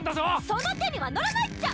その手には乗らないっちゃ。